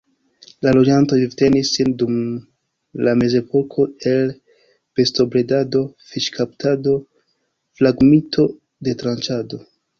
La loĝantoj vivtenis sin dum la mezepoko el bestobredado, fiŝkaptado, fragmito-detranĉado.